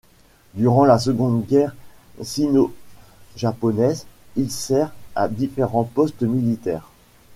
Durant la seconde guerre sino-japonaise, il sert à différents postes militaires.